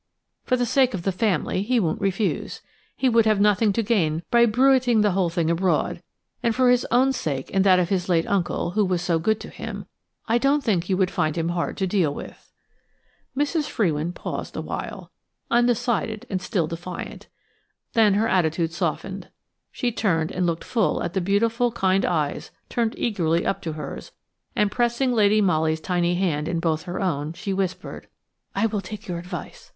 For the sake of the family he won't refuse. He would have nothing to gain by bruiting the whole thing abroad; and for his own sake and that of his late uncle, who was so good to him, I don't think you would find him hard to deal with." Mrs. Frewin paused awhile, undecided and still defiant. Then her attitude softened; she turned and looked full at the beautiful, kind eyes turned eagerly up to hers, and pressing Lady Molly's tiny hand in both her own she whispered: "I will take your advice.